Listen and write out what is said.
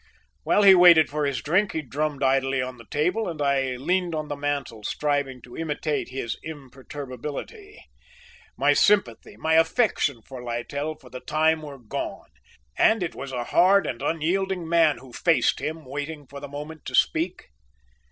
While he waited for his drink he drummed idly on the table and I leaned on the mantel striving to imitate his imperturbability. My sympathy, my affection for Littell for the time were gone, and it was a hard and unyielding man who faced him waiting for the moment to speak.